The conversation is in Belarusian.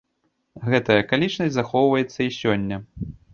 Гэтая акалічнасць захоўваецца і сёння.